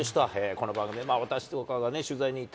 この番組で、私とかが取材に行っ